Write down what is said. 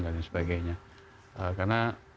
dan sebagainya karena